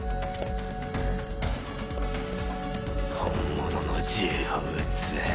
「本物の銃を撃つ」。